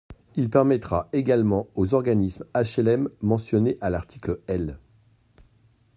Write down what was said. Il permettra également aux organismes HLM mentionnés à l’article L.